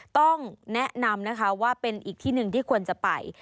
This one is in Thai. ต้องแนะนำนะคะว่าเป็นอีกที่หนึ่งที่ควรจะไป